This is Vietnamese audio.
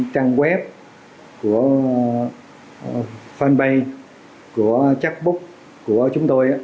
trang web của fanpage của chatbook của chúng tôi